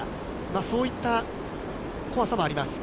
そういった怖さもあります。